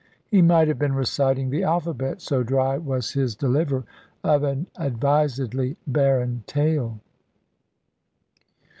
He might have been reciting the alphabet, so dry was his deliver of an advisedly barren tale.